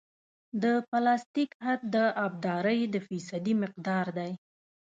د پلاستیک حد د ابدارۍ د فیصدي مقدار دی